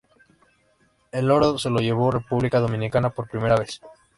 El oro se lo llevó República Dominicana por primera vez.